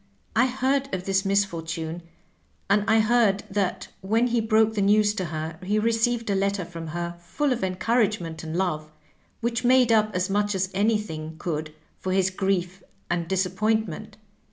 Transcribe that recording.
" I heard of this misfortune, and I heard that when he broke the news to her, he received a letter from her full of en couragement and love, which made up as much as any thing could for his grief and disappointment.